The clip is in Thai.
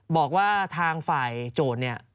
บอกว่าทางฝ่ายโจทย์